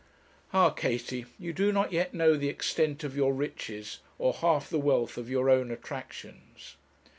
Ah, Katie, you do not yet know the extent of your riches, or half the wealth of your own attractions!